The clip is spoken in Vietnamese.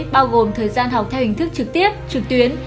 bao gồm thời gian học theo hình thức trực tiếp trực tuyến